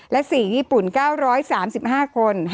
และ๔ญี่ปุ่น๙๓๕คน